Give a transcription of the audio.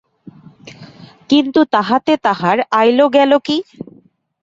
কিন্তু তাহাতে তাহার আইল গেল কী?